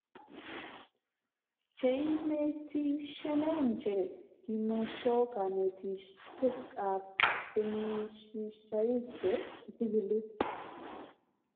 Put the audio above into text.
cheineitihsnen che komeshoo kanetishiet ab kenyishishaik che kichikili